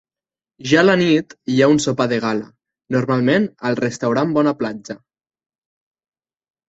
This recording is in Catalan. Ja a la nit, hi ha un sopar de gala, normalment al Restaurant Bona Platja.